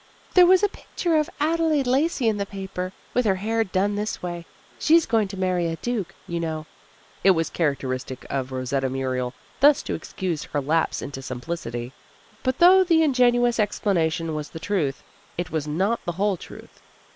"There was a picture of Adelaide Lacey in the paper, with her hair done this way. She's going to marry a duke, you know." It was characteristic of Rosetta Muriel thus to excuse her lapse into simplicity, but though the ingenuous explanation was the truth, it was not the whole truth.